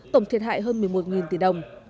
tổng thiệt hại hơn một mươi một tỷ đồng